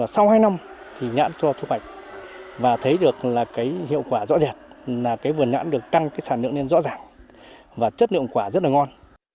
sau hai năm nhãn cho thu hoạch và thấy được hiệu quả rõ ràng vườn nhãn được tăng sản lượng rõ ràng và chất lượng quả rất ngon